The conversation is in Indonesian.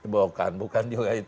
bukan bukan juga itu